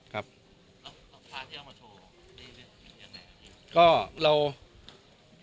แล้วพาที่มาโทรที่นี่อย่างไร